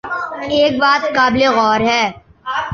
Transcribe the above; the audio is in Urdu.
ایک بات قابل غور ہے۔